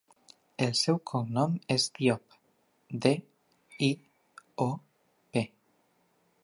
El seu cognom és Diop: de, i, o, pe.